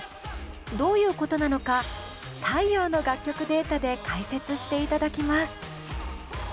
どういうことなのか「太陽」の楽曲データで解説していただきます。